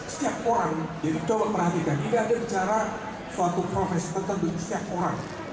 setiap orang jadi coba perhatikan tidak ada bicara suatu profesi tertentu di setiap orang